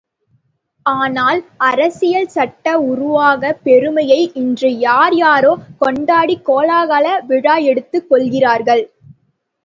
ஆனால், அரசியல் சட்ட உருவாக்கப் பெருமையை இன்று யார் யாரோ கொண்டாடிக் கோலாகல விழா எடுத்துக் கொள்கிறார்கள்.